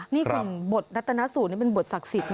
นี่คุณบทรัตนสูตรนี่เป็นบทศักดิ์สิทธินะ